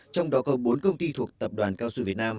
trong đó có bốn công ty thuộc tập đoàn cao su việt nam